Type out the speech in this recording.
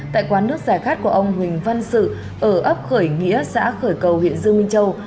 tại quán nước giải khát của ông huỳnh văn sự ở ấp khởi nghĩa xã khởi cầu huyện dương minh châu